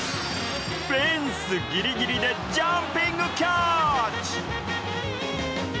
フェンスギリギリでジャンピングキャッチ！